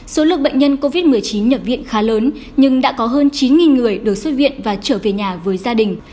số lượng bệnh nhân covid một mươi chín nhập viện khá lớn nhưng đã có hơn chín người được xuất viện và trở về nhà với gia đình